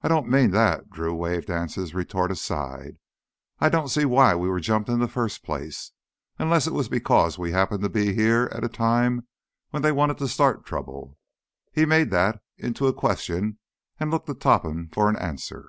"I don't mean that." Drew waved Anse's retort aside. "I don't see why we were jumped in the first place. Unless it was because we happened to be here at a time when they wanted to start trouble?" He made that into a question and looked to Topham for the answer.